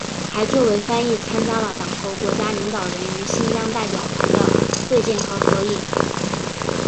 还作为翻译参加了党和国家领导人与新疆代表团的会见和合影。